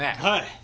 はい。